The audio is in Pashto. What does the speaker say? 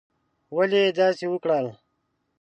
ولي یې داسي وکړل؟